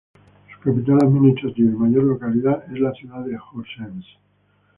Su capital administrativa y mayor localidad es la ciudad de Horsens.